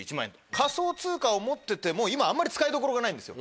仮想通貨を持ってても今あんまり使いどころがないんですよ。